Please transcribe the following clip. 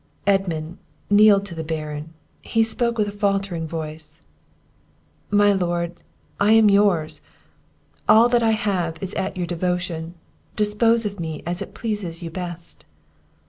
Edmund kneeled to the Baron, he spoke with a faltering voice: "My Lord, I am yours! all that I have is at your devotion! dispose of me as it pleases you best."